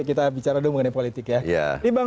kita bicara dulu mengenai politik ya